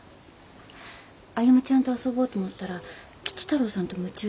歩ちゃんと遊ぼうと思ったら吉太郎さんと夢中で何か作ってて。